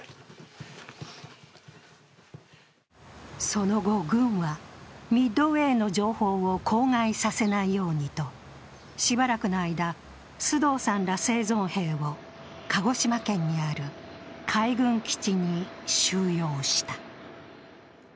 その後、軍はミッドウェーの情報を口外させないようにとしばらくの間、須藤さんら生存兵を鹿児島県にある海軍基地に収容した。